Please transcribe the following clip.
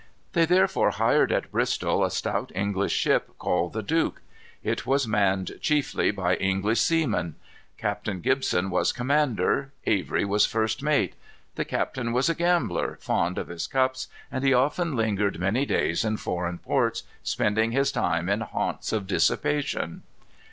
They therefore hired at Bristol a stout English ship, called the Duke. It was manned chiefly by English seamen. Captain Gibson was commander. Avery was first mate. The captain was a gambler, fond of his cups, and he often lingered many days in foreign ports, spending his time in haunts of dissipation.